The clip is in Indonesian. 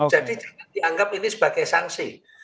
jadi jangan dianggap ini sebagai sanksi